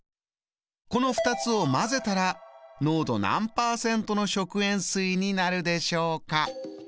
この２つを混ぜたら濃度何％の食塩水になるでしょうか。